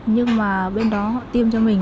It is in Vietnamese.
nhưng mà bên đó họ tiêm cho mình